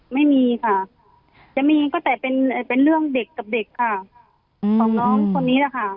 ไม่มีค่ะจะมีก็แต่เป็นเรื่องเด็กกับเด็กค่ะของน้องคนนี้แหละค่ะ